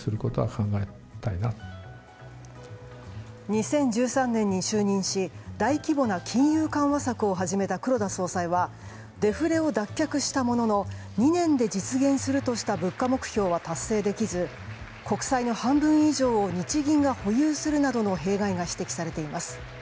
２０１３年に就任し大規模な金融緩和策を始めた黒田総裁はデフレを脱却したものの２年で実現するとした物価目標は達成できず国債の半分以上を日銀が保有するなどの弊害が指摘されています。